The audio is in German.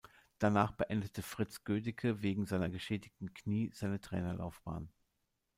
Danach beendete Fritz Gödicke wegen seiner geschädigten Knie seine Trainerlaufbahn.